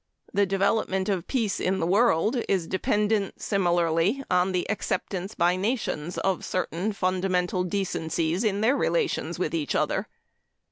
The development of peace in the world is dependent similarly on the acceptance by nations of certain fundamental decencies in their relations with each other.